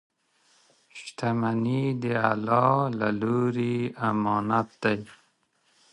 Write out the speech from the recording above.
• شتمني د الله له لورې امانت دی.